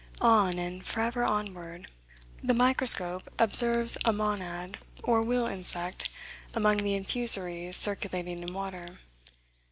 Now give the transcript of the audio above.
On, and forever onward! The microscope observes a monad or wheel insect among the infusories circulating in water.